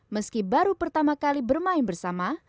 meski baru pertama kali bermain bersama